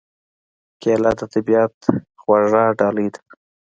کېله د طبیعت خوږه ډالۍ ده.